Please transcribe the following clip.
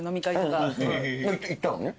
行ったのね。